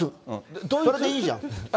それでいいじゃん。